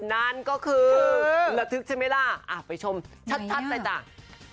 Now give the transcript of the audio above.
นั่นก็คือคือละทืกใช่ไหมล่ะอ่าไปชมชัดไปต่าง